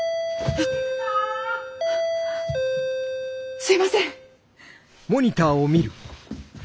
すいません！